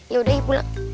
ya udah ya pulang